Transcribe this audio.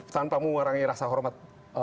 tanpa mengwarangi rasa hormat